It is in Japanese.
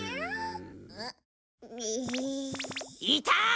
いた！